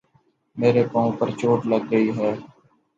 میرے پاؤں پر چوٹ لگ گئی ہے